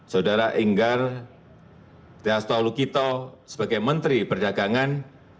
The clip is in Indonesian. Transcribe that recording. saudara inggar dastolukito sebagai menteri perdagangan